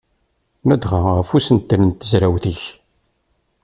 Ladɣa ɣef usentel n tezrawt-ik.